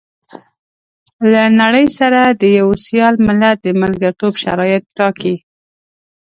له نړۍ سره د يوه سيال ملت د ملګرتوب شرايط ټاکي.